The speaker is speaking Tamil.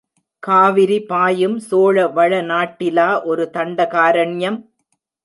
காவிரி பாயும் சோழவளநாட்டிலா ஒரு தண்டகாரண்யம்?